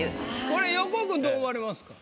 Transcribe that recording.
これ横尾君どう思われますか？